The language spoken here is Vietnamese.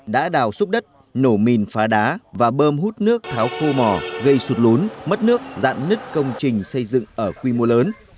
đã đào xúc đất nổ mìn phá đá và bơm hút nước tháo khô mò gây sụt lún mất nước dạn nứt công trình xây dựng ở quy mô lớn